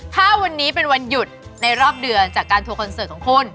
ถ้าวันนี้เป็นวันหยุดในรอบเดือนจากการทัวร์คอนเสิร์ตของคุณ